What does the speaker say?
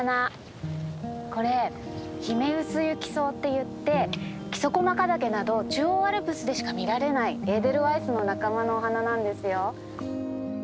これヒメウスユキソウっていって木曽駒ヶ岳など中央アルプスでしか見られないエーデルワイスの仲間のお花なんですよ。